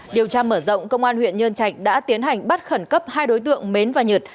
điều tra mở rộng công an huyện nhân trạch đã tiến hành bắt khẩn cấp hai đối tượng mến và nhật